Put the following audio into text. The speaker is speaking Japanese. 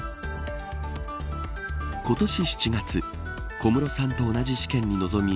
今年７月小室さんと同じ試験に臨み